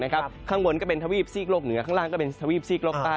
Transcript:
ข้างบนก็เป็นทวีปซีกโลกเหนือข้างล่างก็เป็นทวีปซีกโลกใต้